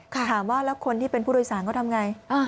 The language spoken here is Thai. ถามว่าแล้วคนที่เป็นผู้โดยสารเขาทำไง